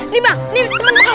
nih bang nih temen bekas